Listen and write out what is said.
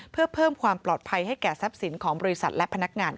เพื่อเพิ่มความปลอดภัยให้แก่ทรัพย์สินของบริษัทและพนักงาน